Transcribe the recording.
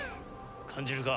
感じるか？